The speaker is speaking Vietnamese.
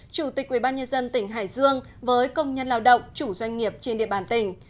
chủ tịch ubnd tỉnh hải dương với công nhân lao động chủ doanh nghiệp trên địa bàn tỉnh